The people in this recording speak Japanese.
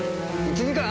１時間！？